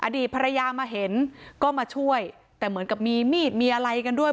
อดีตภรรยามาเห็นก็มาช่วยแต่เหมือนกับมีมีดมีอะไรกันด้วย